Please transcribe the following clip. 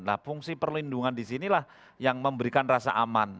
nah fungsi perlindungan di sinilah yang memberikan rasa aman